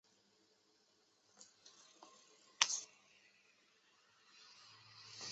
马术则是唯一一项男性和女性选手同台竞技的比赛。